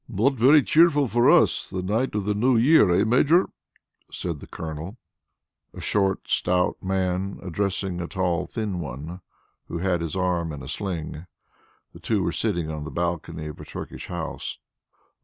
"Not very cheerful for us, the night of the New Year, eh, Major?" said the Colonel, a short stout man addressing a tall thin one, who had his arm in a sling. The two were sitting on the balcony of a Turkish house.